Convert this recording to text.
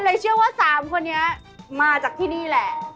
เชื่อว่า๓คนนี้มาจากที่นี่แหละ